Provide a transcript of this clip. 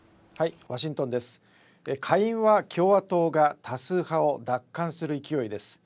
下院は共和党が多数派を奪還する勢いです。